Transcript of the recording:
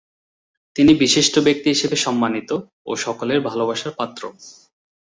তিনি বিশিষ্ট ব্যক্তি হিসেবে সম্মানিত ও সকলের ভালোবাসার পাত্র।